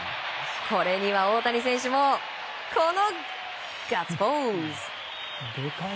これには大谷選手もこのガッツポーズ。